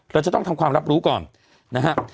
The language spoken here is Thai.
เราจะต้องทำความรับรู้ก่อนนะครับ